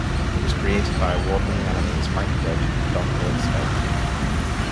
It was created by award-winning animators Mike Judge and Don Hertzfeldt.